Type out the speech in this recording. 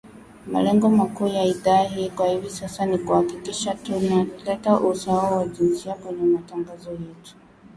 Malengo makuu ya Idhaa hii kwa hivi sasa ni kuhakikisha tuna leta usawa wa jinsia kwenye matangazo yetu.